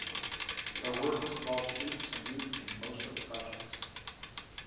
Her work has involved students and youth in most of the projects.